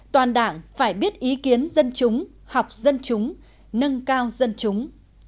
toàn đảng phải biết ý kiến dân chúng học dân chúng nâng cao dân chúng